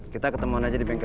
kita ketemuan aja di bengkel